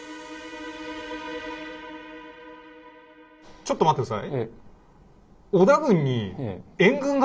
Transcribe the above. ちょっと待って下さい。